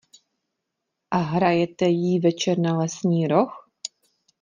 A hrajete jí večer na lesní roh?